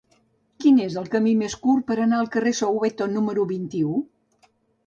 Quin és el camí més curt per anar al carrer de Soweto número vint-i-u?